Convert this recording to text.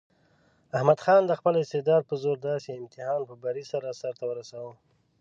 احمد خان د خپل استعداد په زور داسې امتحان په بري سره سرته ورساوه.